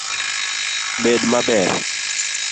Bed maber